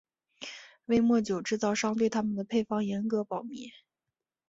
威末酒制造商对他们的配方严格保密。